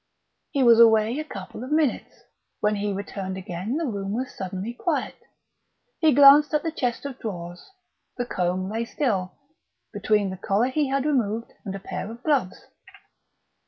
He was away a couple of minutes; when he returned again the room was suddenly quiet. He glanced at the chest of drawers; the comb lay still, between the collar he had removed and a pair of gloves.